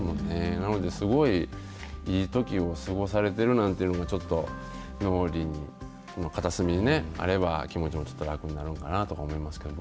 なので、すごいいいときを過ごされてるなんていうのも、ちょっと脳裏の片隅にあれば気持ちもちょっと楽になるんかなと思いますけども。